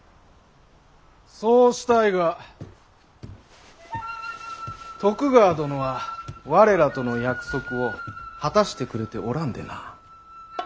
そうしたいが徳川殿は我らとの約束を果たしてくれておらんでな。